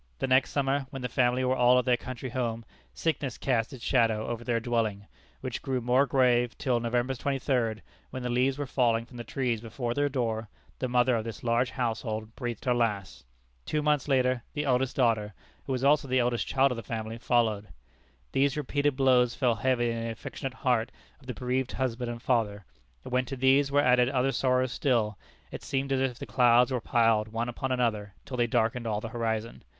The next summer, when the family were all at their country home, sickness cast its shadow over their dwelling, which grew more grave till November 23d, when the leaves were falling from the trees before their door, the mother of this large household breathed her last. Two months later the eldest daughter, who was also the eldest child of the family, followed. These repeated blows fell heavy on the affectionate heart of the bereaved husband and father, and when to these were added other sorrows still, it seemed as if the clouds were piled one upon another till they darkened all the horizon.